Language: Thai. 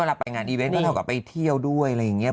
เวลาไปงานอีเวนต์เขาก็จะไปเที่ยวด้วย